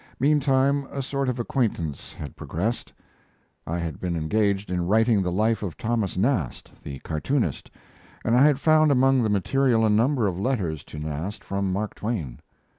Meantime, a sort of acquaintance had progressed. I had been engaged in writing the life of Thomas Nast, the cartoonist, and I had found among the material a number of letters to Nast from Mark Twain.